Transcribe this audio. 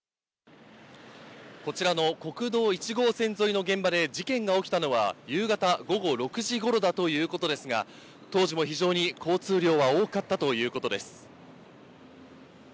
こちらの国道１号線沿いの現場で、事件が起きたのは、夕方午後６時ごろだということですが、当時も非常に交通量が多かったということです。